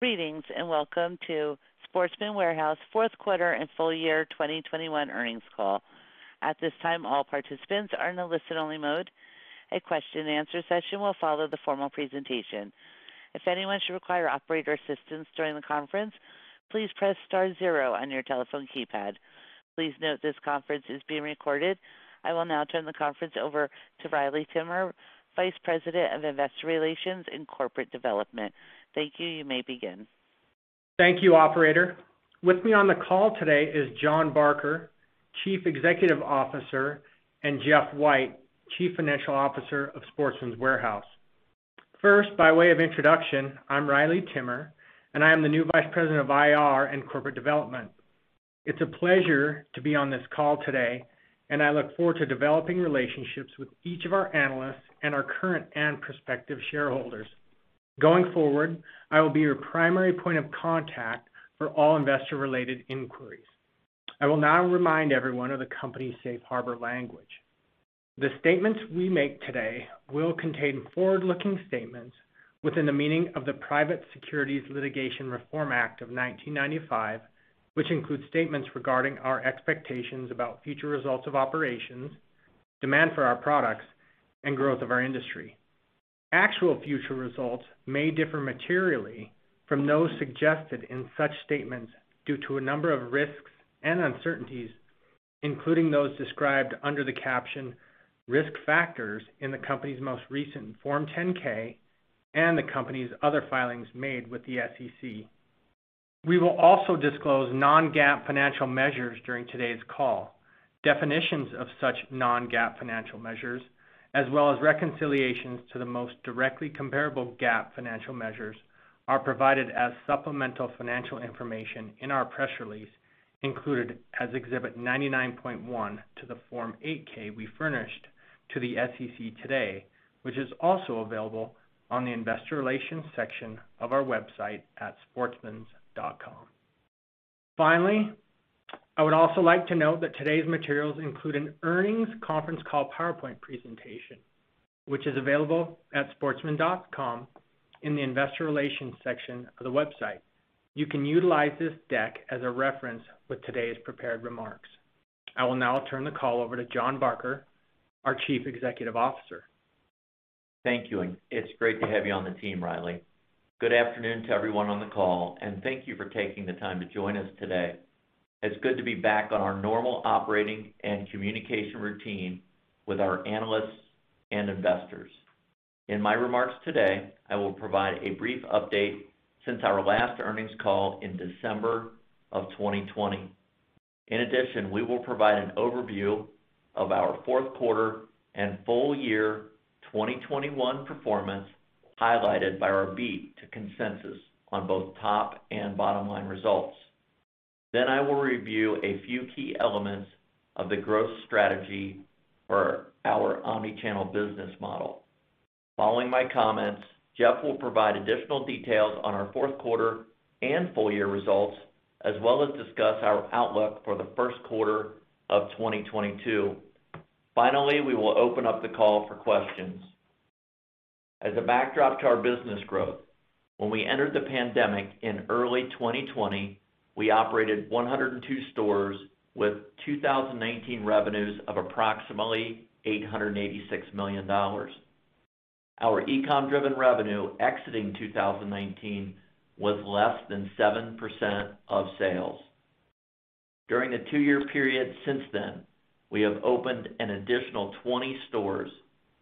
Greetings, and welcome to Sportsman's Warehouse Fourth Quarter and Full Year 2021 Earnings Call. At this time, all participants are in a listen-only mode. A question-and-answer session will follow the formal presentation. If anyone should require operator assistance during the conference, please press star zero on your telephone keypad. Please note this conference is being recorded. I will now turn the conference over to Riley Timmer, Vice President of Investor Relations and Corporate Development. Thank you. You may begin. Thank you, operator. With me on the call today is Jon Barker, Chief Executive Officer, and Jeff White, Chief Financial Officer of Sportsman's Warehouse. First, by way of introduction, I'm Riley Timmer, and I am the new Vice President of IR and Corporate Development. It's a pleasure to be on this call today, and I look forward to developing relationships with each of our analysts and our current and prospective shareholders. Going forward, I will be your primary point of contact for all investor-related inquiries. I will now remind everyone of the company's safe harbor language. The statements we make today will contain forward-looking statements within the meaning of the Private Securities Litigation Reform Act of 1995, which includes statements regarding our expectations about future results of operations, demand for our products, and growth of our industry. Actual future results may differ materially from those suggested in such statements due to a number of risks and uncertainties, including those described under the caption Risk Factors in the company's most recent Form 10-K and the company's other filings made with the SEC. We will also disclose non-GAAP financial measures during today's call. Definitions of such non-GAAP financial measures, as well as reconciliations to the most directly comparable GAAP financial measures, are provided as supplemental financial information in our press release included as Exhibit 99.1 to the Form 8-K we furnished to the SEC today, which is also available on the investor relations section of our website at sportsmans.com. Finally, I would also like to note that today's materials include an earnings conference call PowerPoint presentation, which is available at sportsmans.com in the investor relations section of the website. You can utilize this deck as a reference with today's prepared remarks. I will now turn the call over to Jon Barker, our Chief Executive Officer. Thank you, and it's great to have you on the team, Riley. Good afternoon to everyone on the call, and thank you for taking the time to join us today. It's good to be back on our normal operating and communication routine with our analysts and investors. In my remarks today, I will provide a brief update since our last earnings call in December of 2020. In addition, we will provide an overview of our fourth quarter and full year 2021 performance, highlighted by our beat to consensus on both top and bottom-line results. I will review a few key elements of the growth strategy for our omni-channel business model. Following my comments, Jeff will provide additional details on our fourth quarter and full year results, as well as discuss our outlook for the first quarter of 2022. We will open up the call for questions. As a backdrop to our business growth, when we entered the pandemic in early 2020, we operated 102 stores with 2019 revenues of approximately $886 million. Our E-com driven revenue exiting 2019 was less than 7% of sales. During the two-year period since then, we have opened an additional 20 stores,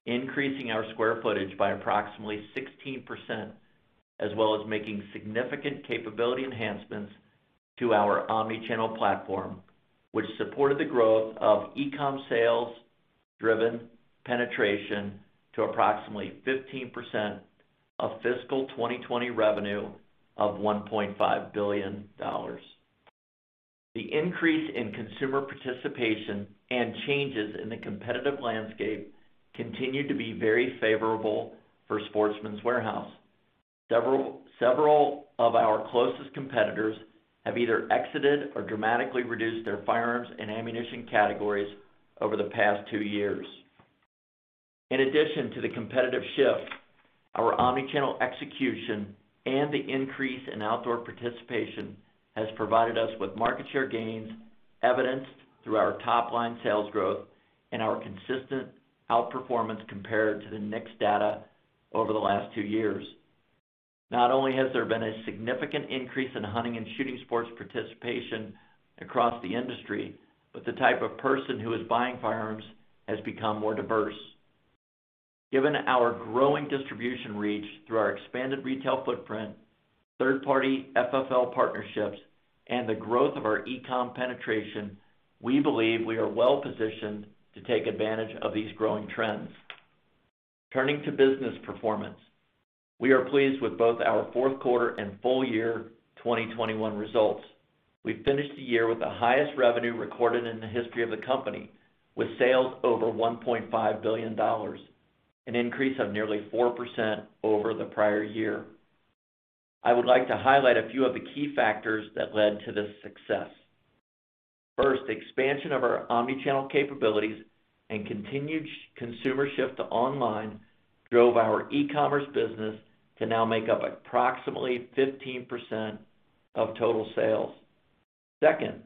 increasing our square footage by approximately 16%, as well as making significant capability enhancements to our omni-channel platform, which supported the growth of e-com sales driven penetration to approximately 15% of fiscal 2020 revenue of $1.5 billion. The increase in consumer participation and changes in the competitive landscape continue to be very favorable for Sportsman's Warehouse. Several of our closest competitors have either exited or dramatically reduced their firearms and ammunition categories over the past 2 years. In addition to the competitive shift, our omni-channel execution and the increase in outdoor participation has provided us with market share gains evidenced through our top-line sales growth and our consistent out-performance compared to the NICS data over the last two years. Not only has there been a significant increase in hunting and shooting sports participation across the industry, but the type of person who is buying firearms has become more diverse. Given our growing distribution reach through our expanded retail footprint, third-party FFL partnerships, and the growth of our e-com penetration, we believe we are well positioned to take advantage of these growing trends. Turning to business performance. We are pleased with both our fourth quarter and full year 2021 results. We finished the year with the highest revenue recorded in the history of the company, with sales over $1.5 billion, an increase of nearly 4% over the prior year. I would like to highlight a few of the key factors that led to this success. First, expansion of our omni-channel capabilities and continued consumer shift to online drove our e-commerce business to now make up approximately 15% of total sales. Second,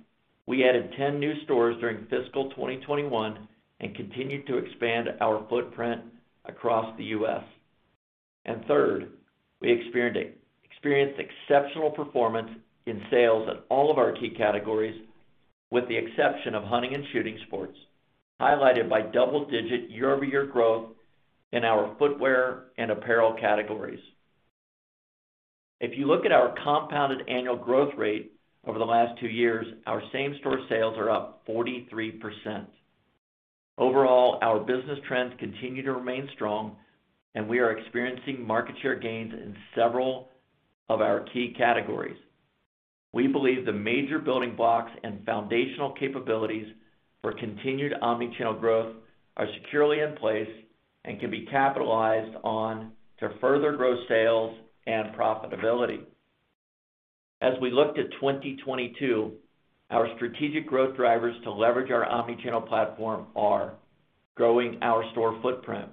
we added 10 new stores during fiscal 2021, and continued to expand our footprint across the U.S. Third, we experienced exceptional performance in sales at all of our key categories, with the exception of hunting and shooting sports, highlighted by double-digit year-over-year growth in our footwear and apparel categories. If you look at our compounded annual growth rate over the last 2 years, our same-store sales are up 43%. Overall, our business trends continue to remain strong, and we are experiencing market share gains in several of our key categories. We believe the major building blocks and foundational capabilities for continued omnichannel growth are securely in place and can be capitalized on to further grow sales and profitability. As we look to 2022, our strategic growth drivers to leverage our omnichannel platform are growing our store footprint,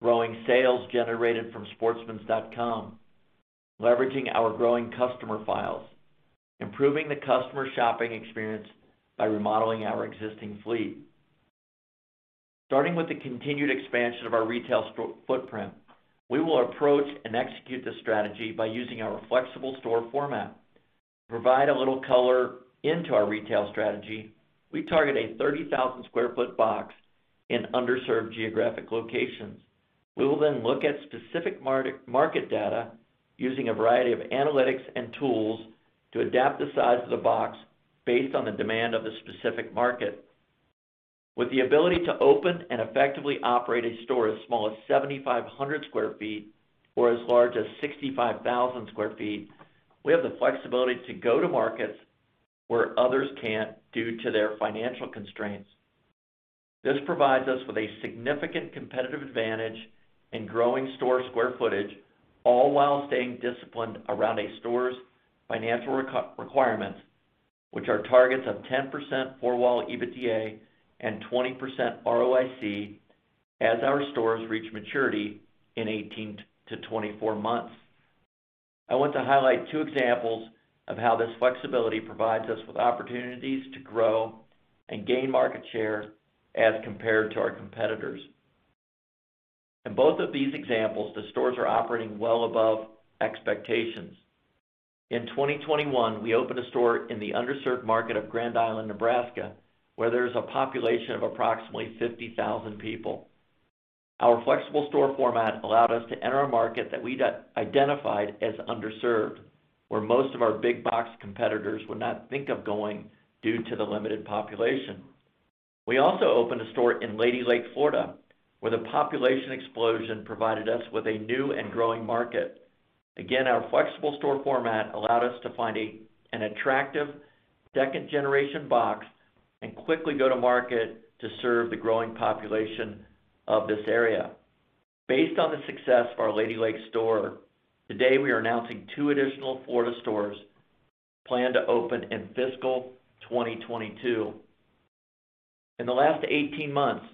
growing sales generated from sportsmans.com, leveraging our growing customer files, improving the customer shopping experience by remodeling our existing fleet. Starting with the continued expansion of our retail footprint, we will approach and execute this strategy by using our flexible store format. To provide a little color into our retail strategy, we target a 30,000-sq ft box in underserved geographic locations. We will then look at specific market data using a variety of analytics and tools to adapt the size of the box based on the demand of the specific market. With the ability to open and effectively operate a store as small as 7,500 sq ft or as large as 65,000 sq ft, we have the flexibility to go to markets where others can't due to their financial constraints. This provides us with a significant competitive advantage in growing store square footage, all while staying disciplined around a store's financial requirements, which are targets of 10% four-wall EBITDA and 20% ROIC as our stores reach maturity in 18-24 months. I want to highlight two examples of how this flexibility provides us with opportunities to grow and gain market share as compared to our competitors. In both of these examples, the stores are operating well above expectations. In 2021, we opened a store in the underserved market of Grand Island, Nebraska, where there's a population of approximately 50,000 people. Our flexible store format allowed us to enter a market that we identified as underserved, where most of our big box competitors would not think of going due to the limited population. We also opened a store in Lady Lake, Florida, where the population explosion provided us with a new and growing market. Again, our flexible store format allowed us to find an attractive second-generation box and quickly go to market to serve the growing population of this area. Based on the success of our Lady Lake store, today we are announcing 2 additional Florida stores planned to open in fiscal 2022. In the last 18 months,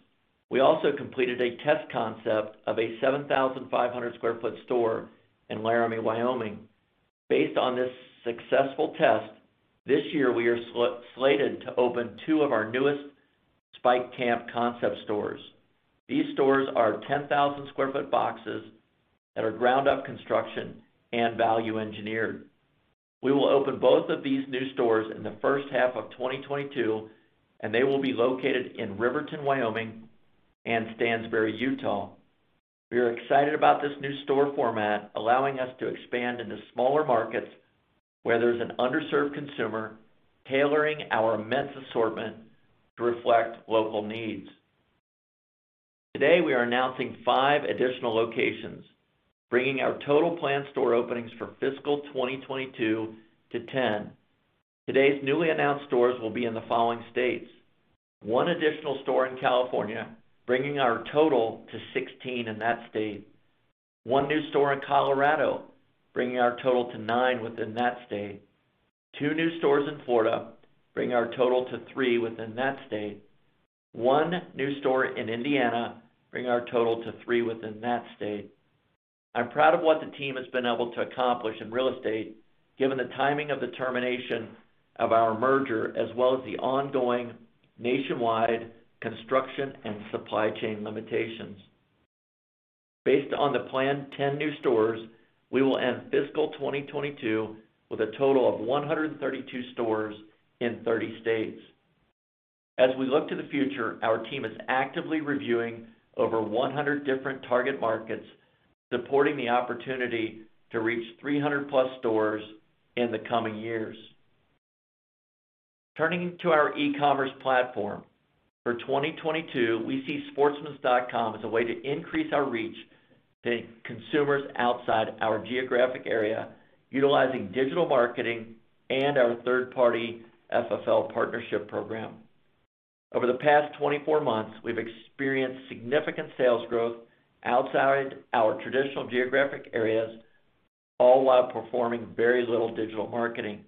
we also completed a test concept of a 7,500 sq ft store in Laramie, Wyoming. Based on this successful test, this year we are slated to open 2 of our newest Spike Camp concept stores. These stores are 10,000-sq-ft boxes that are ground-up construction and value-engineered. We will open both of these new stores in the first half of 2022, and they will be located in Riverton, Wyoming and Stansbury Park, Utah. We are excited about this new store format allowing us to expand into smaller markets where there's an underserved consumer, tailoring our men's assortment to reflect local needs. Today, we are announcing five additional locations, bringing our total planned store openings for fiscal 2022 to 10. Today's newly announced stores will be in the following states. One additional store in California, bringing our total to 16 in that state. One new store in Colorado, bringing our total to nine within that state. Two new stores in Florida, bringing our total to three within that state. One new store in Indiana, bringing our total to three within that state. I'm proud of what the team has been able to accomplish in real estate given the timing of the termination of our merger, as well as the ongoing nationwide construction and supply chain limitations. Based on the planned 10 new stores, we will end fiscal 2022 with a total of 132 stores in 30 states. As we look to the future, our team is actively reviewing over 100 different target markets, supporting the opportunity to reach 300+ stores in the coming years. Turning to our e-commerce platform, for 2022, we see sportsmans.com as a way to increase our reach to consumers outside our geographic area utilizing digital marketing and our third-party FFL partnership program. Over the past 24 months, we've experienced significant sales growth outside our traditional geographic areas, all while performing very little digital marketing.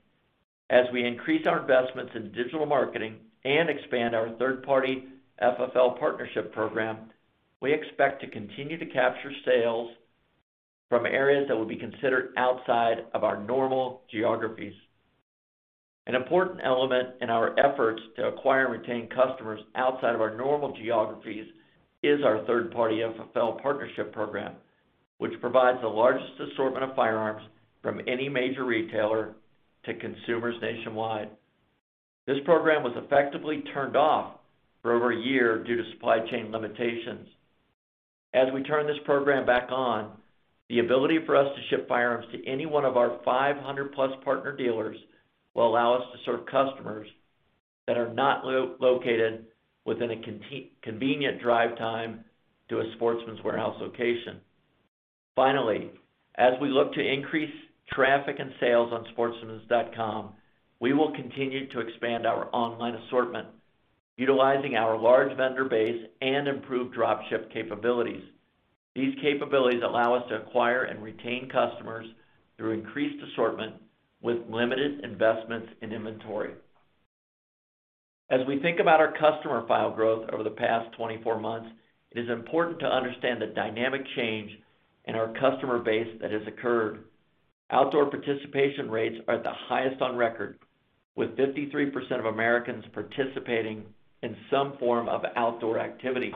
As we increase our investments in digital marketing and expand our third-party FFL partnership program, we expect to continue to capture sales from areas that would be considered outside of our normal geographies. An important element in our efforts to acquire and retain customers outside of our normal geographies is our third-party FFL partnership program, which provides the largest assortment of firearms from any major retailer to consumers nationwide. This program was effectively turned off for over a year due to supply chain limitations. As we turn this program back on, the ability for us to ship firearms to any one of our 500+ partner dealers will allow us to serve customers that are not located within a convenient drive time to a Sportsman's Warehouse location. Finally, as we look to increase traffic and sales on sportsmans.com, we will continue to expand our online assortment utilizing our large vendor base and improved drop ship capabilities. These capabilities allow us to acquire and retain customers through increased assortment with limited investments in inventory. As we think about our customer file growth over the past 24 months, it is important to understand the dynamic change in our customer base that has occurred. Outdoor participation rates are at the highest on record, with 53% of Americans participating in some form of outdoor activity.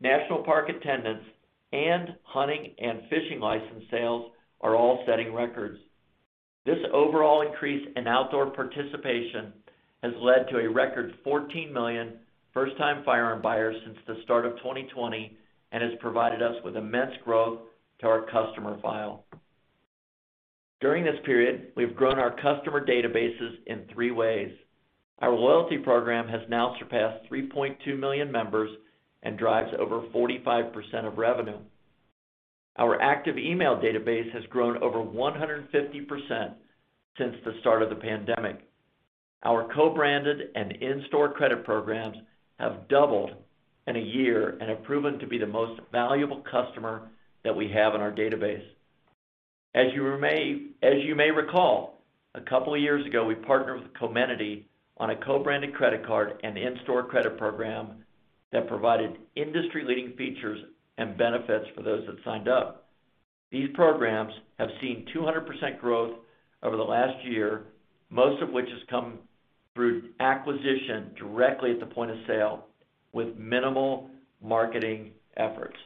National park attendance and hunting and fishing license sales are all setting records. This overall increase in outdoor participation has led to a record 14 million first-time firearm buyers since the start of 2020 and has provided us with immense growth to our customer file. During this period, we've grown our customer databases in three ways. Our loyalty program has now surpassed 3.2 million members and drives over 45% of revenue. Our active email database has grown over 150% since the start of the pandemic. Our co-branded and in-store credit programs have doubled in a year and have proven to be the most valuable customer that we have in our database. As you may recall, a couple of years ago, we partnered with Comenity on a co-branded credit card and in-store credit program that provided industry-leading features and benefits for those that signed up. These programs have seen 200% growth over the last year, most of which has come through acquisition directly at the point of sale with minimal marketing efforts.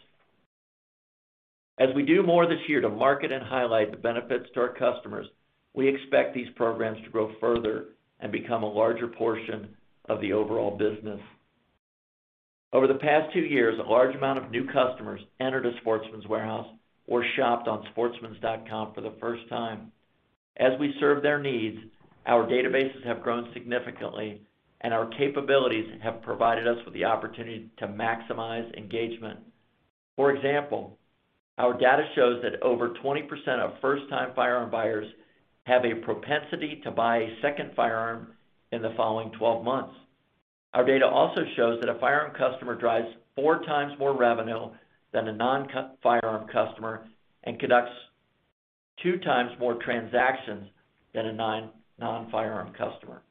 As we do more this year to market and highlight the benefits to our customers, we expect these programs to grow further and become a larger portion of the overall business. Over the past two years, a large amount of new customers entered a Sportsman's Warehouse or shopped on sportsmans.com for the first time. As we serve their needs, our databases have grown significantly, and our capabilities have provided us with the opportunity to maximize engagement. For example, our data shows that over 20% of first-time firearm buyers have a propensity to buy a second firearm in the following 12 months. Our data also shows that a firearm customer drives four times more revenue than a non-firearm customer and conducts two times more transactions than a non-firearm customer.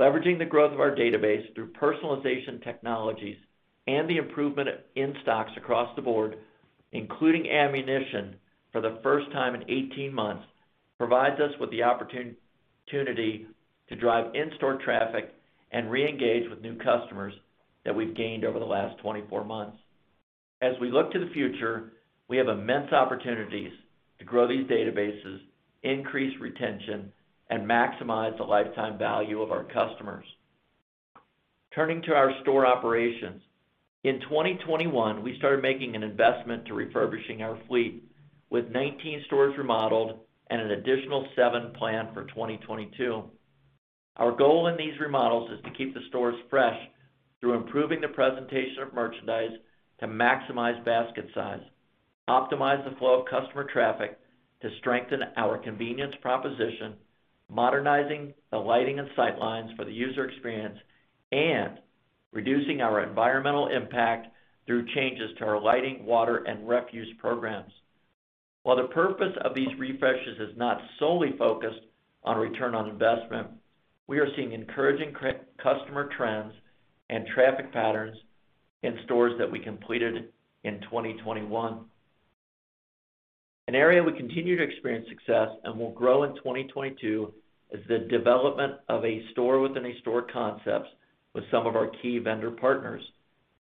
Leveraging the growth of our database through personalization technologies and the improvement in stocks across the board, including ammunition for the first time in 18 months, provides us with the opportunity to drive in-store traffic and reengage with new customers that we've gained over the last 24 months. As we look to the future, we have immense opportunities to grow these databases, increase retention, and maximize the lifetime value of our customers. Turning to our store operations. In 2021, we started making an investment in refurbishing our fleet with 19 stores remodeled and an additional 7 planned for 2022. Our goal in these remodels is to keep the stores fresh through improving the presentation of merchandise to maximize basket size, optimize the flow of customer traffic to strengthen our convenience proposition, modernizing the lighting and sight lines for the user experience, and reducing our environmental impact through changes to our lighting, water, and refuse programs. While the purpose of these refreshes is not solely focused on return on investment, we are seeing encouraging customer trends and traffic patterns in stores that we completed in 2021. An area we continue to experience success and will grow in 2022 is the development of a store within a store concepts with some of our key vendor partners.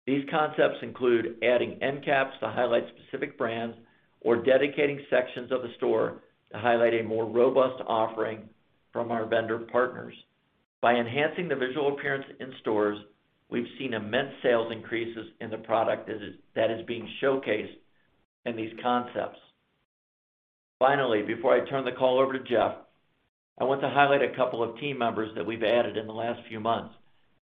These concepts include adding end caps to highlight specific brands or dedicating sections of the store to highlight a more robust offering from our vendor partners. By enhancing the visual appearance in stores, we've seen immense sales increases in the product that is being showcased in these concepts. Finally, before I turn the call over to Jeff, I want to highlight a couple of team members that we've added in the last few months.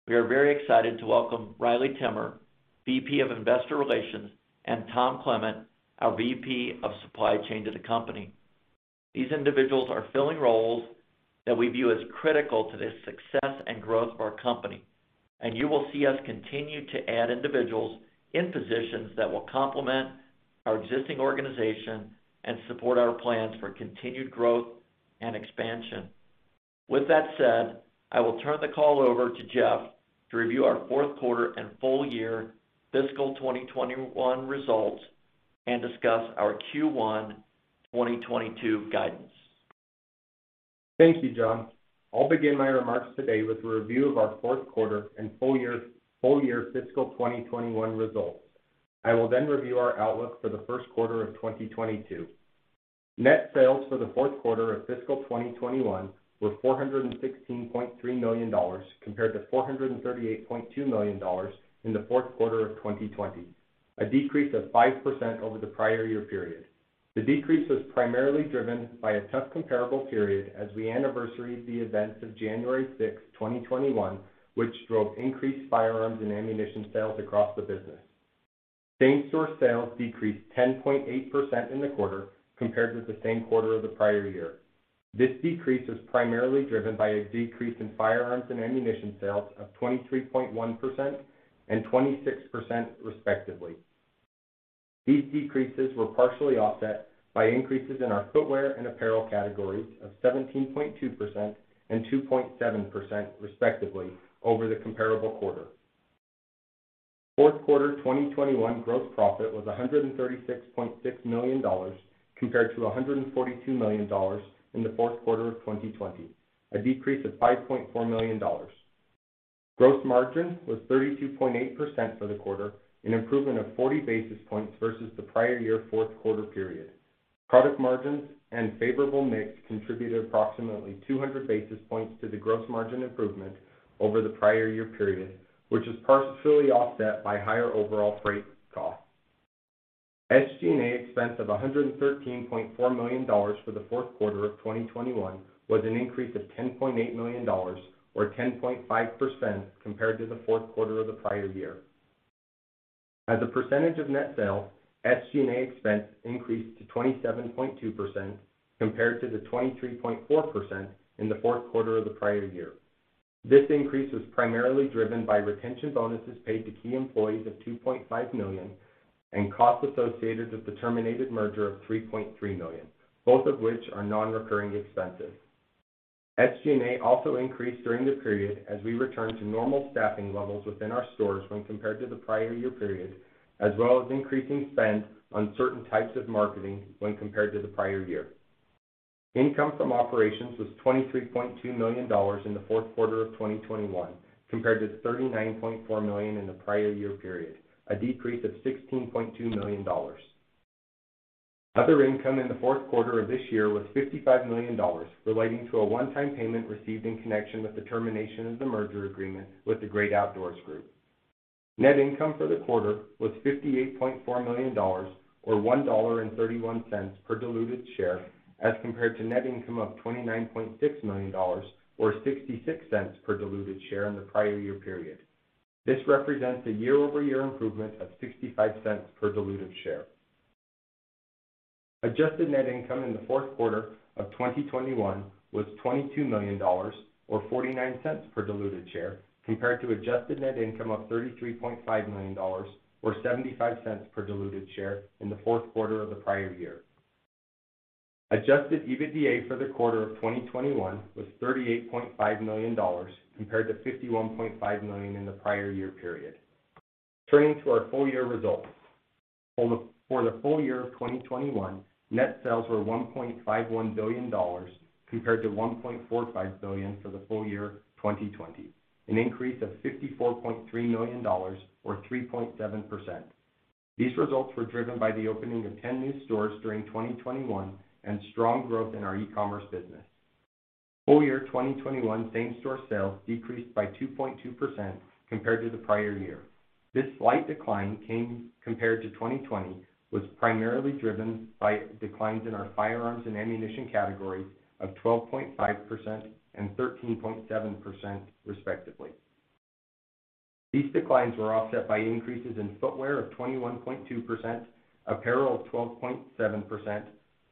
We are very excited to welcome Riley Timmer, VP of Investor Relations, and Tom Clement, our VP of Supply Chain, to the company. These individuals are filling roles that we view as critical to the success and growth of our company, and you will see us continue to add individuals in positions that will complement our existing organization and support our plans for continued growth and expansion. With that said, I will turn the call over to Jeff to review our fourth quarter and full year fiscal 2021 results and discuss our Q1 2022 guidance. Thank you, Jon. I'll begin my remarks today with a review of our fourth quarter and full year, full year fiscal 2021 results. I will then review our outlook for the first quarter of 2022. Net sales for the fourth quarter of fiscal 2021 were $416.3 million compared to $438.2 million in the fourth quarter of 2020, a decrease of 5% over the prior year period. The decrease was primarily driven by a tough comparable period as we anniversaried the events of January 6, 2021, which drove increased firearms and ammunition sales across the business. Same-store sales decreased 10.8% in the quarter compared with the same quarter of the prior year. This decrease was primarily driven by a decrease in firearms and ammunition sales of 23.1% and 26% respectively. These decreases were partially offset by increases in our footwear and apparel categories of 17.2% and 2.7% respectively over the comparable quarter. Fourth quarter 2021 gross profit was $136.6 million compared to $142 million in the fourth quarter of 2020, a decrease of $5.4 million. Gross margin was 32.8% for the quarter, an improvement of 40 basis points versus the prior year fourth quarter period. Product margins and favorable mix contributed approximately 200 basis points to the gross margin improvement over the prior year period, which was partially offset by higher overall freight costs. SG&A expense of $113.4 million for the fourth quarter of 2021 was an increase of $10.8 million or 10.5% compared to the fourth quarter of the prior year. As a percentage of net sales, SG&A expense increased to 27.2% compared to the 23.4% in the fourth quarter of the prior year. This increase was primarily driven by retention bonuses paid to key employees of $2.5 million and costs associated with the terminated merger of $3.3 million, both of which are non-recurring expenses. SG&A also increased during the period as we returned to normal staffing levels within our stores when compared to the prior year period, as well as increasing spend on certain types of marketing when compared to the prior year. Income from operations was $23.2 million in the fourth quarter of 2021 compared to $39.4 million in the prior year period, a decrease of $16.2 million. Other income in the fourth quarter of this year was $55 million relating to a one-time payment received in connection with the termination of the merger agreement with Great Outdoors Group. Net income for the quarter was $58.4 million or $1.31 per diluted share as compared to net income of $29.6 million or $0.66 per diluted share in the prior year period. This represents a year-over-year improvement of $0.65 per diluted share. Adjusted net income in the fourth quarter of 2021 was $22 million or $0.49 per diluted share compared to adjusted net income of $33.5 million or $0.75 per diluted share in the fourth quarter of the prior year. Adjusted EBITDA for the quarter of 2021 was $38.5 million compared to $51.5 million in the prior year period. Turning to our full year results. For the full year of 2021, net sales were $1.51 billion compared to $1.45 billion for the full year of 2020, an increase of $54.3 million or 3.7%. These results were driven by the opening of 10 new stores during 2021 and strong growth in our e-commerce business. Full year 2021 same-store sales decreased by 2.2% compared to the prior year. This slight decline compared to 2020 was primarily driven by declines in our firearms and ammunition categories of 12.5% and 13.7% respectively. These declines were offset by increases in footwear of 21.2%, apparel of 12.7%,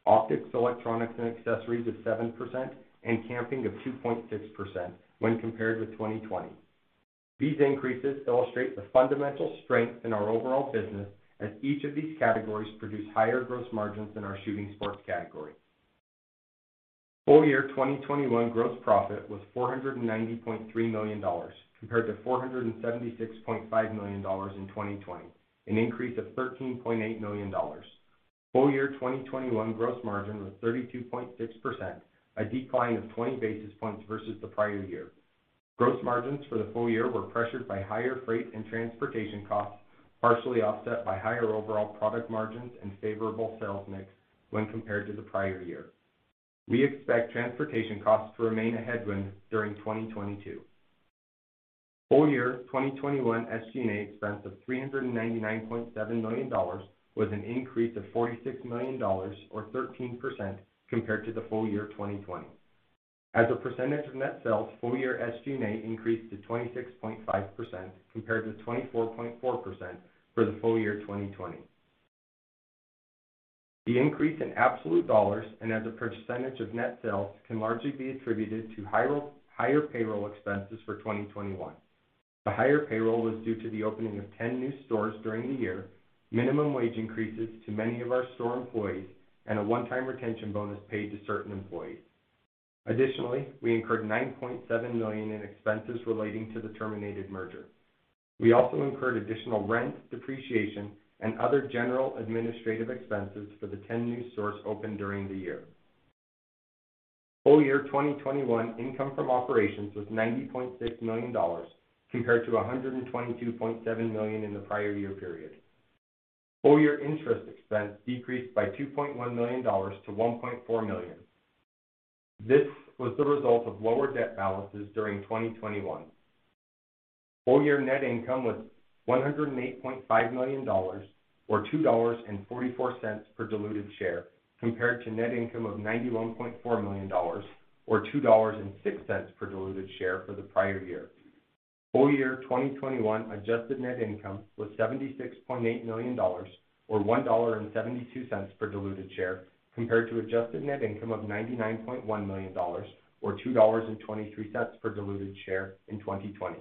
optics, electronics and accessories of 7%, and camping of 2.6% when compared with 2020. These increases illustrate the fundamental strength in our overall business as each of these categories produce higher gross margins in our shooting sports category. Full year 2021 gross profit was $490.3 million compared to $476.5 million in 2020, an increase of $13.8 million. Full year 2021 gross margin was 32.6%, a decline of 20 basis points versus the prior year. Gross margins for the full year were pressured by higher freight and transportation costs, partially offset by higher overall product margins and favorable sales mix when compared to the prior year. We expect transportation costs to remain a headwind during 2022. Full year 2021 SG&A expense of $399.7 million was an increase of $46 million or 13% compared to the full year of 2020. As a percentage of net sales, full year SG&A increased to 26.5% compared to 24.4% for the full year 2020. The increase in absolute dollars and as a percentage of net sales can largely be attributed to higher payroll expenses for 2021. The higher payroll was due to the opening of 10 new stores during the year, minimum wage increases to many of our store employees, and a one-time retention bonus paid to certain employees. Additionally, we incurred $9.7 million in expenses relating to the terminated merger. We also incurred additional rent, depreciation, and other general administrative expenses for the 10 new stores opened during the year. Full year 2021 income from operations was $90.6 million compared to $122.7 million in the prior year period. Full year interest expense decreased by $2.1 million to $1.4 million. This was the result of lower debt balances during 2021. Full year net income was $108.5 million or $2.44 per diluted share compared to net income of $91.4 million or $2.06 per diluted share for the prior year. Full year 2021 adjusted net income was $76.8 million or $1.72 per diluted share compared to adjusted net income of $99.1 million or $2.23 per diluted share in 2020.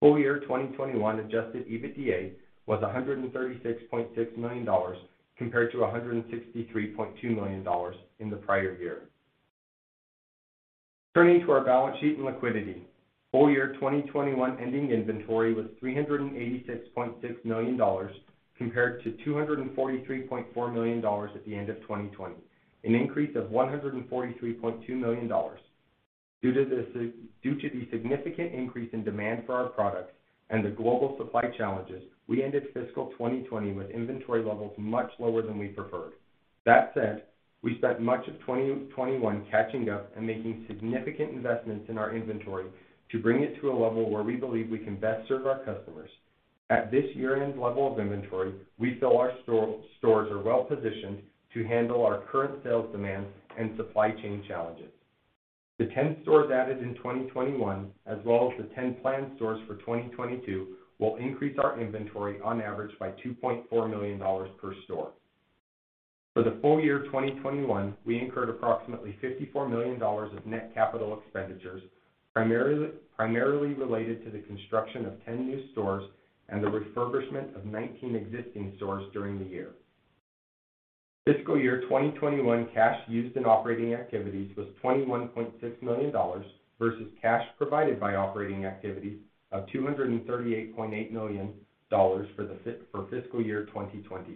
Full year 2021 adjusted EBITDA was $136.6 million compared to $163.2 million in the prior year. Turning to our balance sheet and liquidity, full year 2021 ending inventory was $386.6 million compared to $243.4 million at the end of 2020, an increase of $143.2 million. Due to the significant increase in demand for our products and the global supply challenges, we ended fiscal 2020 with inventory levels much lower than we preferred. That said, we spent much of 2021 catching up and making significant investments in our inventory to bring it to a level where we believe we can best serve our customers. At this year-end level of inventory, we feel our stores are well-positioned to handle our current sales demand and supply chain challenges. The 10 stores added in 2021, as well as the 10 planned stores for 2022, will increase our inventory on average by $2.4 million per store. For the full year 2021, we incurred approximately $54 million of net capital expenditures, primarily related to the construction of 10 new stores and the refurbishment of 19 existing stores during the year. Fiscal year 2021 cash used in operating activities was $21.6 million versus cash provided by operating activities of $238.8 million for fiscal year 2020.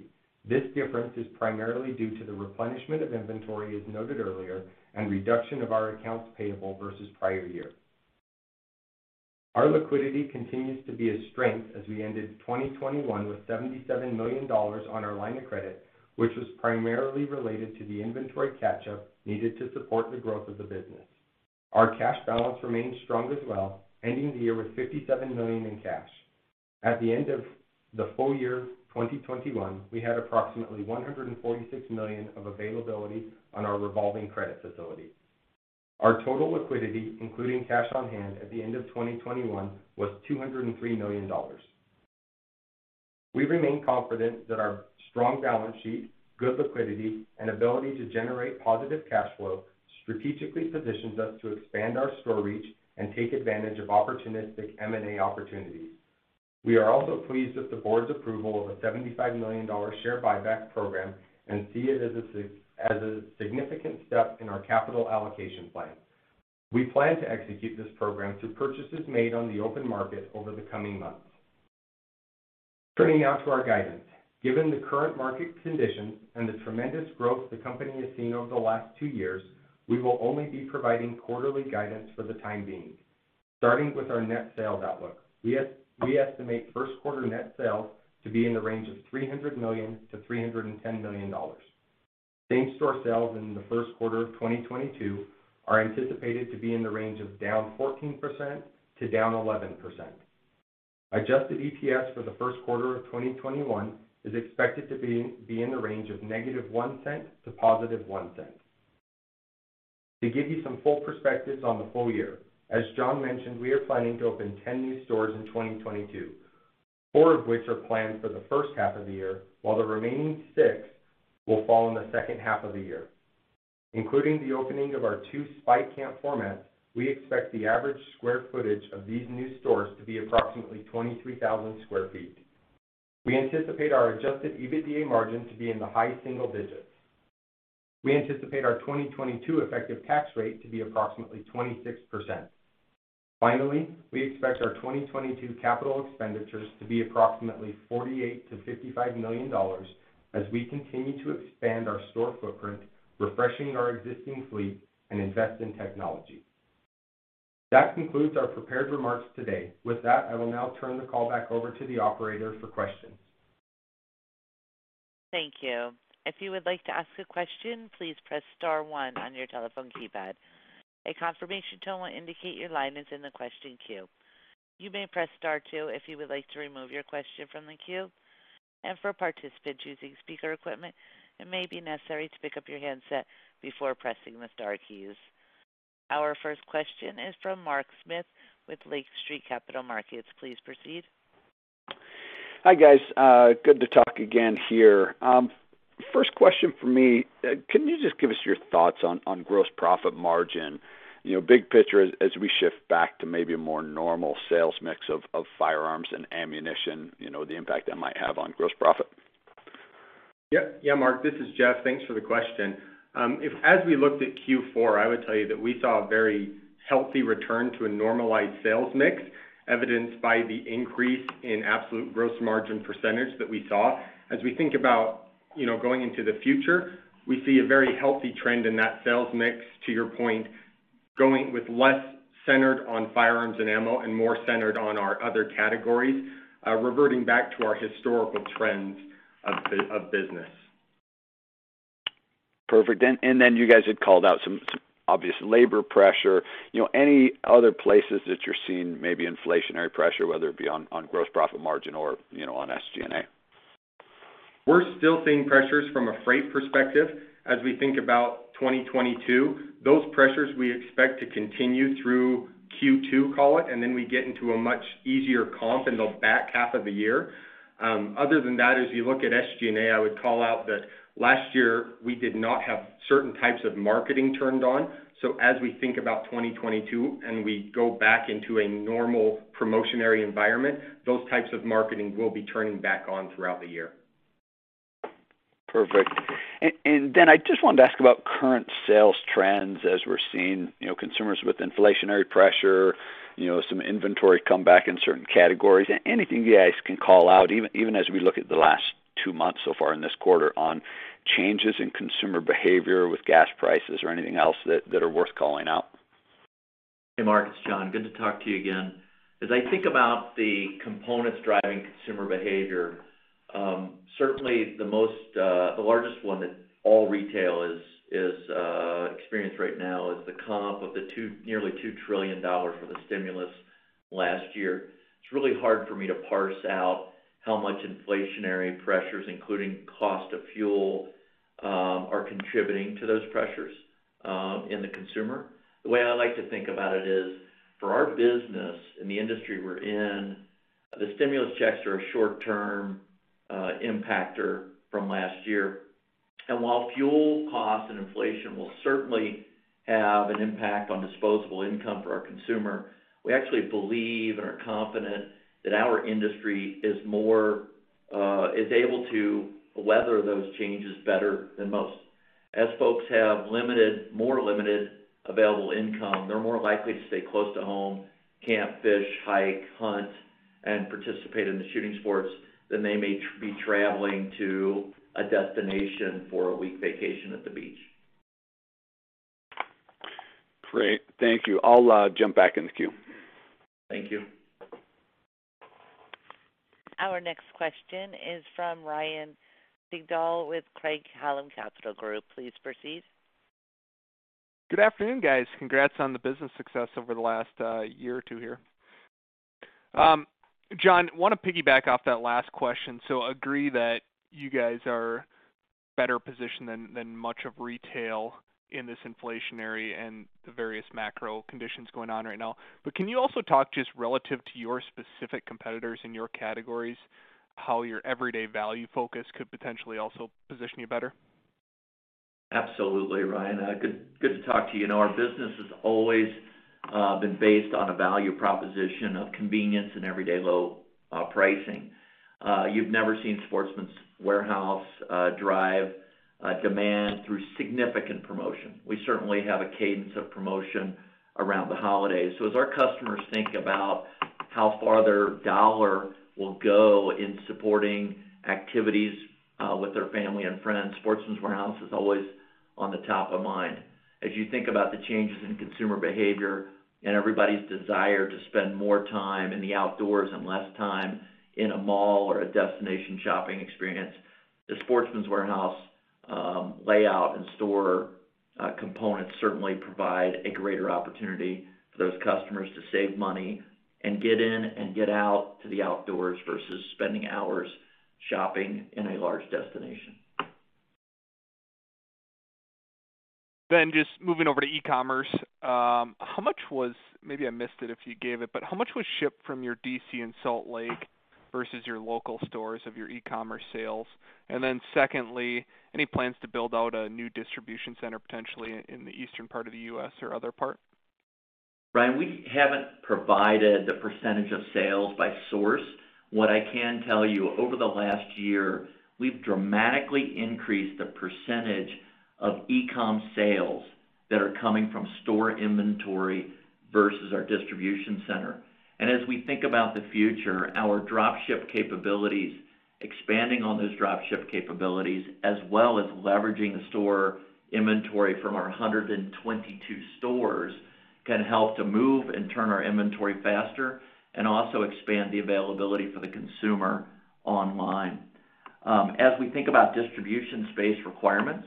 This difference is primarily due to the replenishment of inventory, as noted earlier, and reduction of our accounts payable versus prior year. Our liquidity continues to be a strength as we ended 2021 with $77 million on our line of credit, which was primarily related to the inventory catch-up needed to support the growth of the business. Our cash balance remains strong as well, ending the year with $57 million in cash. At the end of the full year 2021, we had approximately 146 million of availability on our revolving credit facility. Our total liquidity, including cash on hand at the end of 2021, was $203 million. We remain confident that our strong balance sheet, good liquidity, and ability to generate positive cash flow strategically positions us to expand our store reach and take advantage of opportunistic M&A opportunities. We are also pleased with the board's approval of a $75 million share buyback program and see it as a significant step in our capital allocation plan. We plan to execute this program through purchases made on the open market over the coming months. Turning now to our guidance. Given the current market conditions and the tremendous growth the company has seen over the last two years, we will only be providing quarterly guidance for the time being. Starting with our net sales outlook, we estimate first quarter net sales to be in the range of $300 million-$310 million. Same-store sales in the first quarter of 2022 are anticipated to be in the range of down 14%-11%. Adjusted EPS for the first quarter of 2021 is expected to be in the range of -$0.01 to +$0.01. To give you some full perspectives on the full year, as Jon mentioned, we are planning to open 10 new stores in 2022, 4 of which are planned for the first half of the year, while the remaining 6 will fall in the second half of the year. Including the opening of our 2 Spike amp formats, we expect the average square footage of these new stores to be approximately 23,000 sq ft. We anticipate our adjusted EBITDA margin to be in the high single digits. We anticipate our 2022 effective tax rate to be approximately 26%. Finally, we expect our 2022 capital expenditures to be approximately $48 million-$55 million as we continue to expand our store footprint, refreshing our existing fleet, and invest in technology. That concludes our prepared remarks today. With that, I will now turn the call back over to the operator for questions. Thank you. If you would like to ask a question, please press star one on your telephone keypad. A confirmation tone will indicate your line is in the question queue. You may press star two if you would like to remove your question from the queue. For participants using speaker equipment, it may be necessary to pick up your handset before pressing the star keys. Our first question is from Mark Smith with Lake Street Capital Markets. Please proceed. Hi, guys. Good to talk again here. First question from me. Can you just give us your thoughts on gross profit margin? You know, big picture as we shift back to maybe a more normal sales mix of firearms and ammunition, you know, the impact that might have on gross profit. Yeah. Yeah, Mark, this is Jeff. Thanks for the question. As we looked at Q4, I would tell you that we saw a very healthy return to a normalized sales mix evidenced by the increase in absolute gross margin percentage that we saw. As we think about, you know, going into the future, we see a very healthy trend in that sales mix, to your point, going with less centered on firearms and ammo and more centered on our other categories, reverting back to our historical trends of business. Perfect. You guys had called out some obvious labor pressure. You know, any other places that you're seeing maybe inflationary pressure, whether it be on gross profit margin or, you know, on SG&A? We're still seeing pressures from a freight perspective as we think about 2022. Those pressures we expect to continue through Q2, call it, and then we get into a much easier comp in the back half of the year. Other than that, as you look at SG&A, I would call out that last year we did not have certain types of marketing turned on. As we think about 2022 and we go back into a normal promotional environment, those types of marketing will be turning back on throughout the year. Perfect. And then I just wanted to ask about current sales trends as we're seeing, you know, consumers with inflationary pressure, you know, some inventory come back in certain categories. Anything you guys can call out even as we look at the last two months so far in this quarter on changes in consumer behavior with gas prices or anything else that are worth calling out? Hey, Mark, it's Jon. Good to talk to you again. As I think about the components driving consumer behavior, certainly the largest one that all retail is experiencing right now is the comp of the nearly $2 trillion for the stimulus last year. It's really hard for me to parse out how much inflationary pressures, including cost of fuel, are contributing to those pressures in the consumer. The way I like to think about it is for our business and the industry we're in, the stimulus checks are a short-term impacter from last year. While fuel costs and inflation will certainly have an impact on disposable income for our consumer, we actually believe and are confident that our industry is able to weather those changes better than most. As folks have more limited available income, they're more likely to stay close to home, camp, fish, hike, hunt, and participate in the shooting sports than they may be traveling to a destination for a week vacation at the beach. Great. Thank you. I'll jump back in the queue. Thank you. Our next question is from Ryan Sigdahl with Craig-Hallum Capital Group. Please proceed. Good afternoon, guys. Congrats on the business success over the last year or two here. Jon, wanna piggyback off that last question. Agree that you guys are better positioned than much of retail in this inflationary and the various macro conditions going on right now. Can you also talk just relative to your specific competitors in your categories, how your everyday value focus could potentially also position you better? Absolutely, Ryan. Good to talk to you. You know, our business has always been based on a value proposition of convenience and everyday low pricing. You've never seen Sportsman's Warehouse drive demand through significant promotion. We certainly have a cadence of promotion around the holidays. As our customers think about how far their dollar will go in supporting activities with their family and friends, Sportsman's Warehouse is always on the top of mind. As you think about the changes in consumer behavior and everybody's desire to spend more time in the outdoors and less time in a mall or a destination shopping experience, the Sportsman's Warehouse layout and store components certainly provide a greater opportunity for those customers to save money and get in and get out to the outdoors versus spending hours shopping in a large destination. Just moving over to e-commerce. How much was maybe I missed it if you gave it, but how much was shipped from your DC in Salt Lake versus your local stores of your E-commerce sales? Secondly, any plans to build out a new distribution center potentially in the eastern part of the U.S. or other part? Ryan, we haven't provided the percentage of sales by source. What I can tell you, over the last year, we've dramatically increased the percentage of e-com sales that are coming from store inventory versus our distribution center. As we think about the future, our drop ship capabilities, expanding on those drop ship capabilities, as well as leveraging the store inventory from our 122 stores, can help to move and turn our inventory faster and also expand the availability for the consumer online. As we think about distribution space requirements,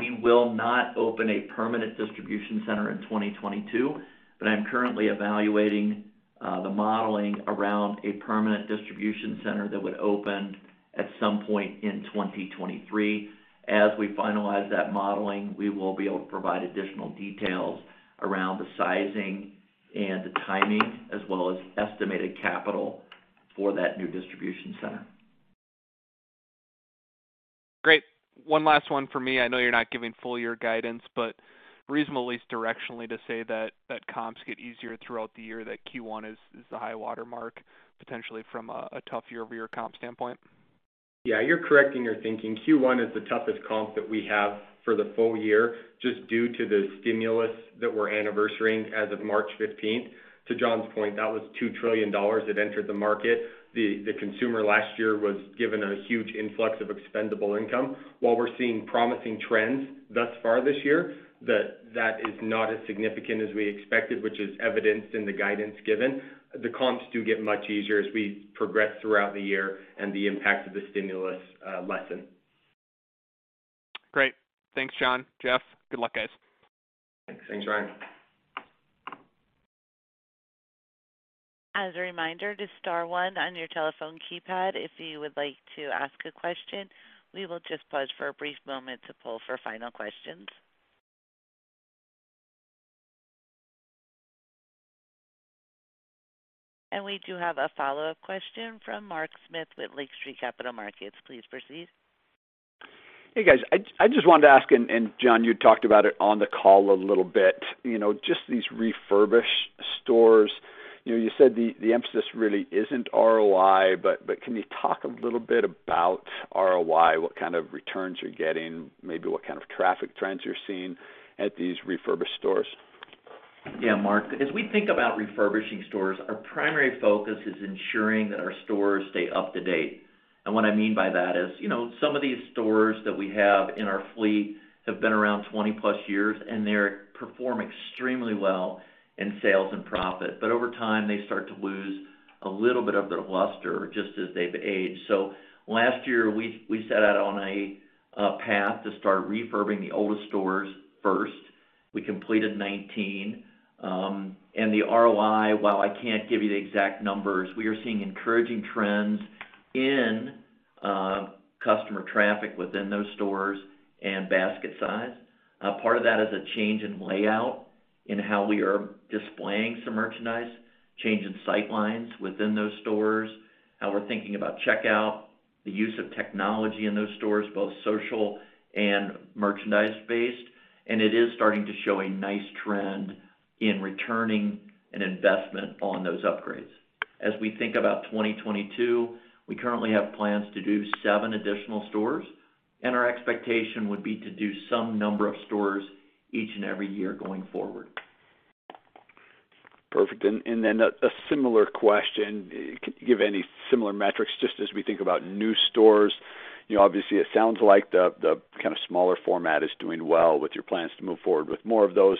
we will not open a permanent distribution center in 2022, but I'm currently evaluating the modeling around a permanent distribution center that would open at some point in 2023. As we finalize that modeling, we will be able to provide additional details around the sizing and the timing as well as estimated capital for that new distribution center. Great. One last one for me. I know you're not giving full year guidance, but reasonably directionally to say that comps get easier throughout the year, that Q1 is the high watermark, potentially from a tough year-over-year comp standpoint. Yeah, you're correct in your thinking. Q1 is the toughest comp that we have for the full year just due to the stimulus that we're anniversarying as of March fifteenth. To Jon's point, that was $2 trillion that entered the market. The consumer last year was given a huge influx of expendable income. While we're seeing promising trends thus far this year, that is not as significant as we expected, which is evidenced in the guidance given. The comps do get much easier as we progress throughout the year and the impact of the stimulus lessen. Great. Thanks, Jon. Jeff. Good luck, guys. Thanks. Thanks, Ryan. As a reminder to star one on your telephone keypad if you would like to ask a question. We will just pause for a brief moment to poll for final questions. We do have a follow-up question from Mark Smith with Lake Street Capital Markets. Please proceed. Hey, guys. I just wanted to ask, and John, you talked about it on the call a little bit, you know, just these refurbished stores. You said the emphasis really isn't ROI, but can you talk a little bit about ROI? What kind of returns you're getting? Maybe what kind of traffic trends you're seeing at these refurbished stores? Yeah, Mark. As we think about refurbishing stores, our primary focus is ensuring that our stores stay up to date. What I mean by that is, you know, some of these stores that we have in our fleet have been around 20-plus years, and they perform extremely well in sales and profit. Over time, they start to lose a little bit of their luster just as they've aged. Last year, we set out on a path to start refurbishing the oldest stores first. We completed 19. The ROI, while I can't give you the exact numbers, we are seeing encouraging trends in customer traffic within those stores and basket size. Part of that is a change in layout in how we are displaying some merchandise, change in sight lines within those stores, how we're thinking about checkout, the use of technology in those stores, both social and merchandise-based. It is starting to show a nice trend in returning an investment on those upgrades. As we think about 2022, we currently have plans to do seven additional stores, and our expectation would be to do some number of stores each and every year going forward. Perfect. A similar question. Could you give any similar metrics just as we think about new stores? You know, obviously, it sounds like the kinda smaller format is doing well with your plans to move forward with more of those.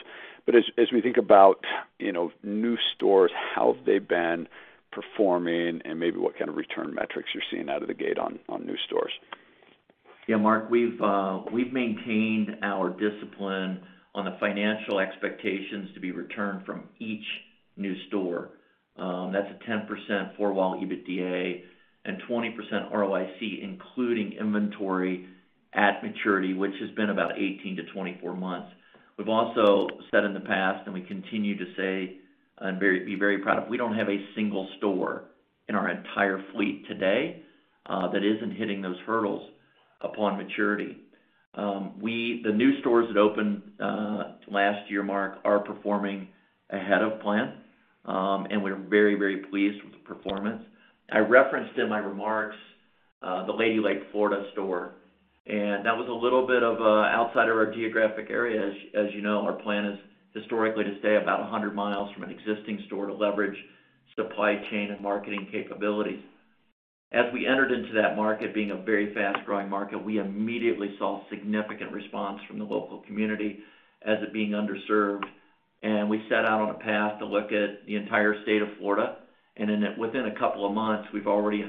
As we think about, you know, new stores, how have they been performing and maybe what kind of return metrics you're seeing out of the gate on new stores? Yeah, Mark, we've maintained our discipline on the financial expectations to be returned from each new store. That's a 10% four-wall EBITDA and 20% ROIC, including inventory at maturity, which has been about 18-24 months. We've also said in the past, and we continue to say and be very proud of, we don't have a single store in our entire fleet today that isn't hitting those hurdles upon maturity. The new stores that opened last year, Mark, are performing ahead of plan, and we're very, very pleased with the performance. I referenced in my remarks the Lady Lake, Florida store, and that was a little bit outside of our geographic area. As you know, our plan is historically to stay about 100 miles from an existing store to leverage supply chain and marketing capabilities. As we entered into that market being a very fast-growing market, we immediately saw significant response from the local community as it being under-served. We set out on a path to look at the entire state of Florida, and within a couple of months, we've already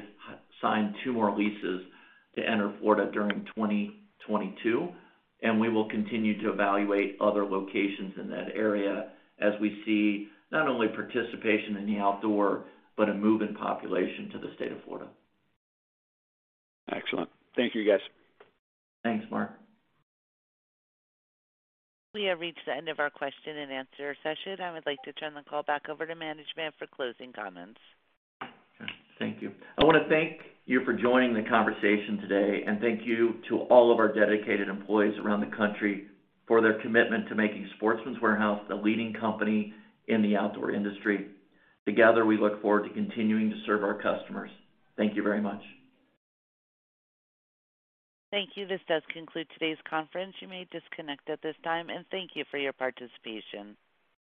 signed 2 more leases to enter Florida during 2022, and we will continue to evaluate other locations in that area as we see not only participation in the outdoor, but a move in population to the state of Florida. Excellent. Thank you, guys. Thanks, Mark. We have reached the end of our question and answer session. I would like to turn the call back over to management for closing comments. Thank you. I wanna thank you for joining the conversation today, and thank you to all of our dedicated employees around the country for their commitment to making Sportsman's Warehouse the leading company in the outdoor industry. Together, we look forward to continuing to serve our customers. Thank you very much. Thank you. This does conclude today's conference. You may disconnect at this time, and thank you for your participation.